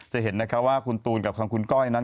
จะเห็นนะคะว่าคุณตูนกับทางคุณก้อยนั้น